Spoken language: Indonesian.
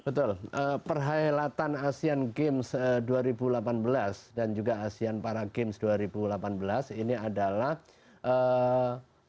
betul perhelatan asean games dua ribu delapan belas dan juga asean para games dua ribu delapan belas ini adalah eee